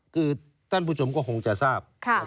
คือท่านผู้ชมก็คงจะทราบ